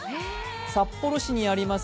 札幌市にあります